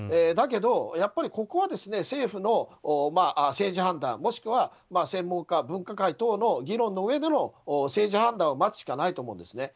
だけど、ここは政府の政治判断もしくは専門家、分科会等の議論のうえでの政治判断を待つしかないと思います。